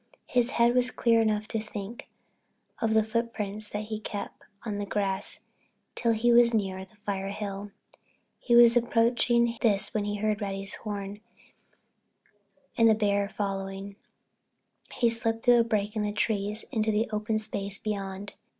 His head was clear enough to think of the footprints and he kept on the grass till he was near the Firehill Road. He was approaching this when he heard Reddy's horn, and with the bear following, he slipped through a break in the trees into the open space beyond.